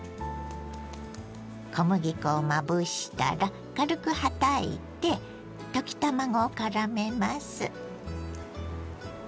小麦粉をまぶしたら軽くはたいて溶き卵をからめます。